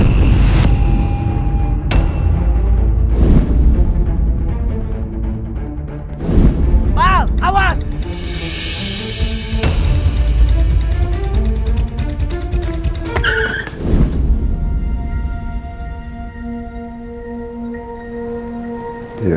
itu mobilnya yang dikenal